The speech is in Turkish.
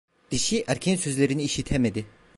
Dişi, erkeğin sözlerini işitemedi.